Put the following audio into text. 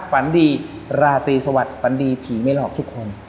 แบบนี้ก็ลาตรีสวัสดีทุกคน